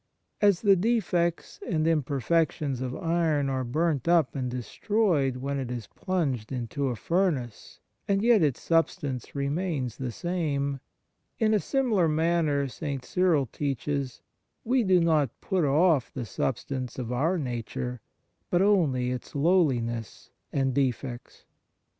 As the defects and imperfections of iron are burnt up and destroyed when it is plunged into a furnace, and yet its substance remains the same, in a similar manner, St. Cyril teaches, we do not put off the sub stance of our nature, but only its lowli ness and defects.